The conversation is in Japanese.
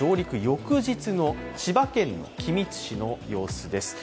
翌日の千葉県の君津市の様子です。